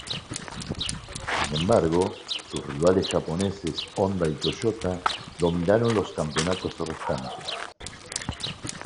Sin embargo, sus rivales japoneses Honda y Toyota dominaron los campeonatos restantes.